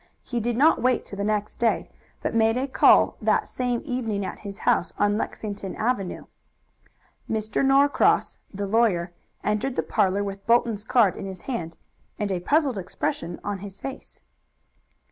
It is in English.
He did not wait till the next day, but made a call that same evening at his house on Lexington Avenue. Mr. Norcross, the lawyer, entered the parlor with Bolton's card in his hand, and a puzzled expression on his face.